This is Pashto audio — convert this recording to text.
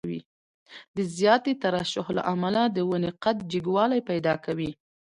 د زیاتې ترشح له امله د ونې قد جګوالی پیدا کوي.